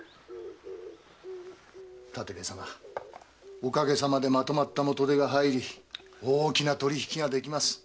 おかげさまでまとまった元手が入り大きな取り引きができます。